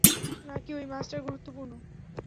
নাকি ওই মাস্টার গুরুত্বপূর্ণ?